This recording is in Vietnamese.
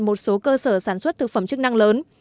một số cơ sở sản xuất thực phẩm chức năng lớn